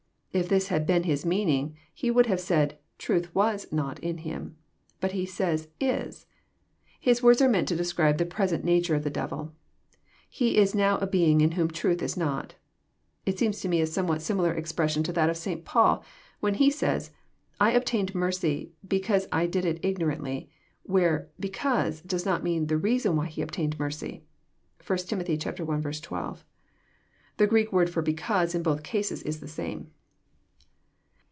If this had been His meaning, He would have said, " Truth was not in him." But He says, "is." — His words are meant to describe the present nature of the devil. *'He is now a being in whom truth is not."^ It seems to me a somewhat similar expression to that of St. Paul, when he says, *'I obtained mercy, because I did it ignorantly;" where " because " does not mean the reason why he obtained mercy. (1 Tim. i. 12.) The Greek word for " because " in both cases is the same.